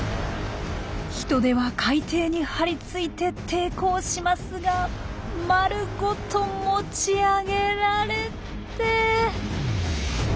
ヒトデは海底に張り付いて抵抗しますが丸ごと持ち上げられて。